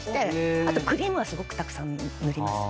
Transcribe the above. あとクリームはすごくたくさん塗りますよ。